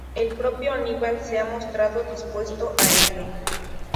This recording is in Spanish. El propio Aníbal se ha mostrado dispuesto a ello.